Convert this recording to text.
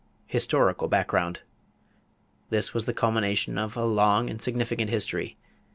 =Historical Background.= This was the culmination of a long and significant history.